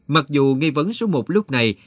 mặc dù nghi vấn số một lúc này